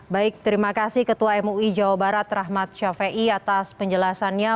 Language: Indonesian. baik terima kasih ketua mui jawa barat rahmat shafaii atas penjelasannya